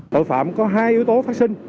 tội phạm có hai yếu tố phát sinh